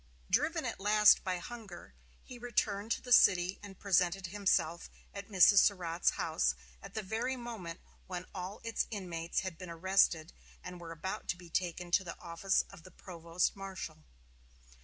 Driven at last by hunger, he returned to the city and presented himself at Mrs. Surratt's house at the very moment when all its inmates had been arrested and were about to be taken to the office of the provost marshal.